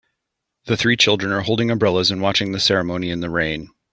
The three children are holding umbrellas and watching the ceremony in the rain.